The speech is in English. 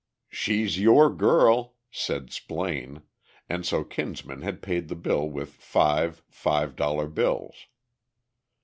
"She's your girl," said Splaine, and so Kinsman had paid the bill with five five dollar bills.